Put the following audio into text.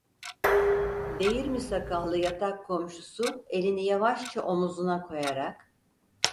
Değirmi sakallı yatak komşusu elini yavaşça omuzuna koyarak: